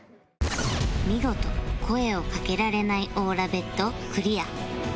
見事声をかけられないオーラ ＢＥＴ クリア